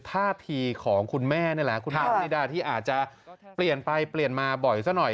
ท่าทีของคุณแม่นี่แหละคุณพ่อนิดาที่อาจจะเปลี่ยนไปเปลี่ยนมาบ่อยซะหน่อย